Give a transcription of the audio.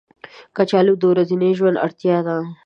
کچالو د ورځني ژوند اړتیا ده